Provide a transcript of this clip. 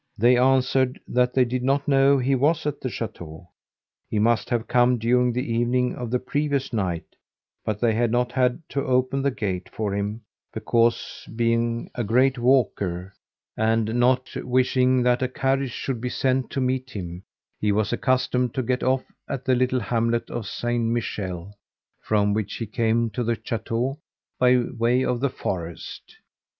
They answered that they did not know he was at the chateau. He must have come during the evening of the previous night, but they had not had to open the gate for him, because, being a great walker, and not wishing that a carriage should be sent to meet him, he was accustomed to get off at the little hamlet of Saint Michel, from which he came to the chateau by way of the forest.